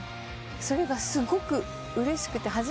それがすごくうれしくて。